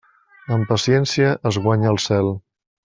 Amb paciència es guanya el cel.